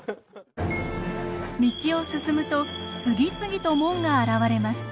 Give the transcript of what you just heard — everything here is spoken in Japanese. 道を進むと次々と門が現れます。